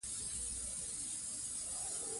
چې هېڅکله له خپل ورور څخه دفاع نه کوم.